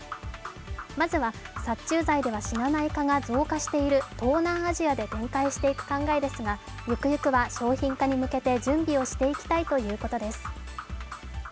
まずは殺虫剤では死なない蚊が増加している東南アジアで展開していく考えですが、ゆくゆくは商品化に向けて準備をしていきたいということです。